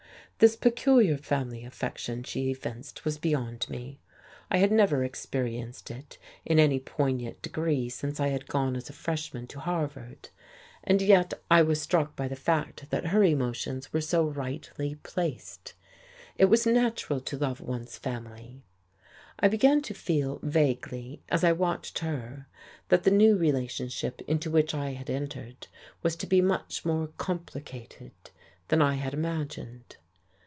This peculiar family affection she evinced was beyond me; I had never experienced it in any poignant degree since I had gone as a freshman to Harvard, and yet I was struck by the fact that her emotions were so rightly placed. It was natural to love one's family. I began to feel, vaguely, as I watched her, that the new relationship into which I had entered was to be much more complicated than I had imagined.